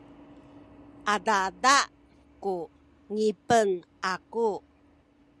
adada ku ngipen aku